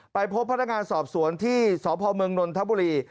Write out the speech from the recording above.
ไปพบพนักงานสอบสวนที่สพเมืองนนทบุรี